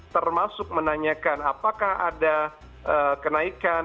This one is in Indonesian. termasuk menanyakan apakah ada kenaikan